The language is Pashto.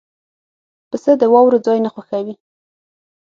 پسه د واورو ځای نه خوښوي.